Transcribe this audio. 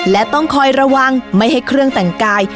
และต้องคอยระวังไม่ให้เครื่องแต่งกาย